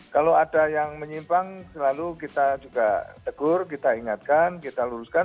kalau ada yang menyimpang selalu kita juga tegur kita ingatkan kita luruskan